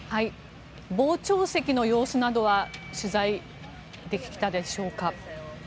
傍聴席の様子などは取材できたでしょうか。